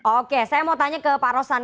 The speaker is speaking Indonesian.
oke saya mau tanya ke pak rosan